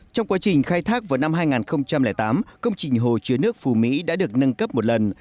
trong quá trình khai thác vào năm hai nghìn tám công trình hồ chứa nước phù mỹ đã được nâng cấp một lần